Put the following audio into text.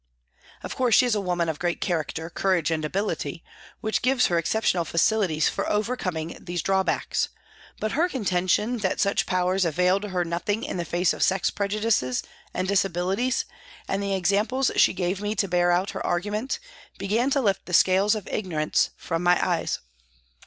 Of course, she is a woman of great character, courage and ability, which gives her exceptional facilities for overcoming these draw backs, but her contention that such powers availed her nothing in the face of sex prejudices and dis abilities, and the examples she gave me to bear out her argument, began to lift the scales of ignorance from my eyes.